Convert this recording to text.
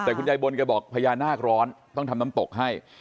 แต่คุณยายบนแกบอกพญานาคร้อนต้องทำน้ำตกให้